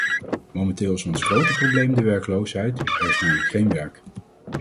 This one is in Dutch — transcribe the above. Momenteel is ons grote probleem de werkloosheid, er is namelijk geen werk.